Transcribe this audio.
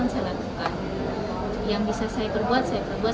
yang bisa saya perbuat saya perbuat